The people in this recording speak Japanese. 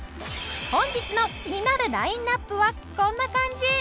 本日の気になるラインアップはこんな感じ。